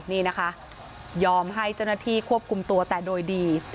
นี่นะคะยอมให้เจ้าหน้าที่ควบคุมตัวแต่โดยดี